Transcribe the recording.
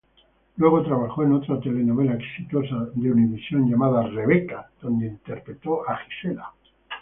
Luego, trabajó en otra telenovela exitosa de Univision llamada "Rebeca", donde interpretó a Gisela.